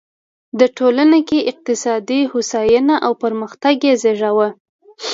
د ټولنه کې اقتصادي هوساینه او پرمختګ یې زېږاوه.